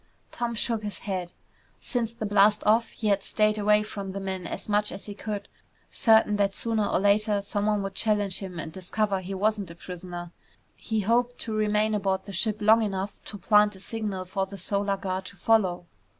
Tom shook his head. Since the blast off he had stayed away from the men as much as he could, certain that sooner or later someone would challenge him and discover he wasn't a prisoner. He hoped to remain aboard the ship long enough to plant a signal for the Solar Guard to follow.